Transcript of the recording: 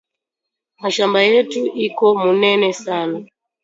Mashamba yetu iko munene sana